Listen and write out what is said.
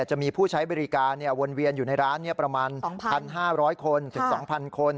จะมีผู้ใช้บริการวนเวียนอยู่ในร้านประมาณ๑๕๐๐คนถึง๒๐๐คน